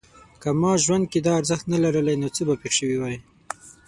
که ما ژوند کې دا ارزښت نه لرلای نو څه به پېښ شوي وای؟